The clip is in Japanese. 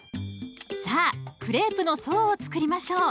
さあクレープの層を作りましょう。